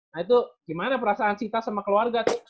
nah itu gimana perasaan sita sama keluarga